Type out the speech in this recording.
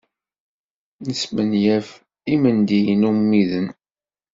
Nesmenyaf imendiyen ummiden.